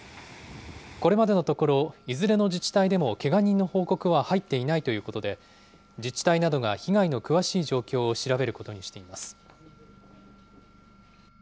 これまでのところ、いずれの自治体でもけが人の報告は入っていないということで、自治体などが被害の詳しい状況を調べることにしています。